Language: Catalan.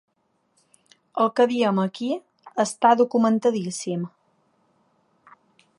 El que diem aquí està documentadíssim.